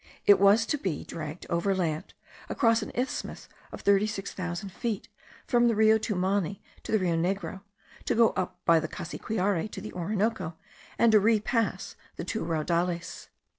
It was to be dragged over land, across an isthmus of thirty six thousand feet; from the Rio Tuamini to the Rio Negro, to go up by the Cassiquiare to the Orinoco, and to repass the two raudales.